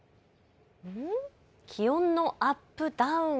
気温のアップダウン。